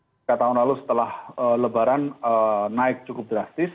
tidak seperti tahun lalu setelah lebaran naik cukup drastis